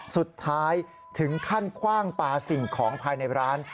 สุดท้ายถึงขั้นคว่างปลาสิ่งของภายในร้าน